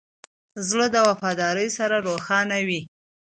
زړه د وفادارۍ سره روښانه وي.